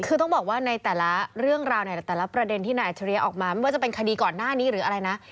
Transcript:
คือต้องบอกว่าในแต่ละเรื่องราวในแต่ละประเด็นที่นายอัจฉริยะออกมาไม่ว่าจะเป็นคดีก่อนหน้านี้หรืออะไรนะ